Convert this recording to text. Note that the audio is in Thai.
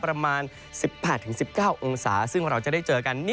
ประมาณ๑๘๑๙องศาซึ่งเราจะได้เจอกัน